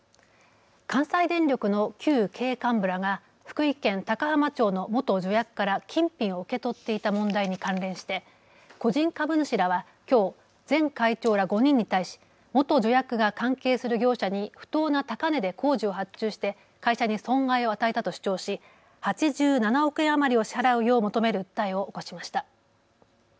関西電力の旧経営幹部らが福井県高浜町の元助役から金品を受け取っていた問題に関連して個人株主らはきょう前会長ら５人に対し元助役が関係する業者に不当な高値で工事を発注して会社に損害を与えたと主張し８７億円余りを支払うよう求める訴えを起こしました。